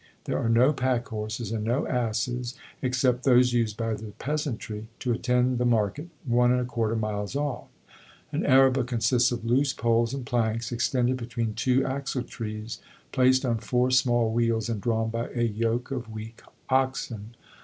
There are no pack horses and no asses, except those used by the peasantry to attend the market 1 1/4 miles off. An araba consists of loose poles and planks, extended between two axle trees, placed on four small wheels, and drawn by a yoke of weak oxen....